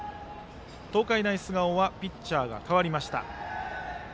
東海大菅生はピッチャーが代わりました。